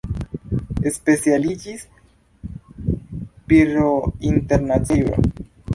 Specialiĝis pr internacia juro.